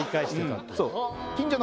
そう。